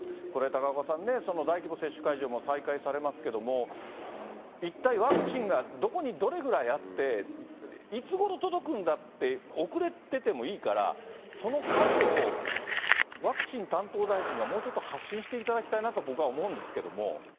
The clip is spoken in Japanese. これ、高岡さん、大規模接種会場も再開されますけれども、一体ワクチンがどこにどれぐらいあって、いつごろ届くんだって、遅れててもいいから、その数を、ワクチン担当大臣がもうちょっと発信していただきたいなと、僕は思うんですけども。